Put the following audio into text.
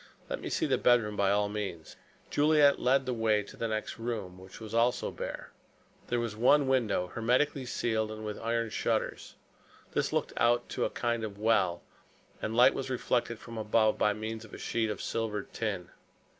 Let me see the bedroom by all means." Juliet led the way into the next room, which was also bare. There was one window hermetically sealed and with iron shutters. This looked out on to a kind of well, and light was reflected from above by means of a sheet of silvered tin.